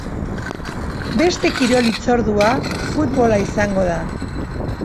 Beste kirol hitzordua futbola izango da.